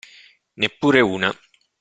Neppure una.